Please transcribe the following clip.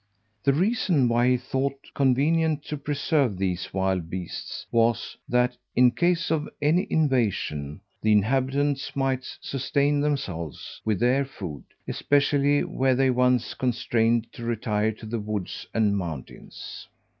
The reason why he thought convenient to preserve these wild beasts was, that, in case of any invasion, the inhabitants might sustain themselves with their food, especially were they once constrained to retire to the woods and mountains.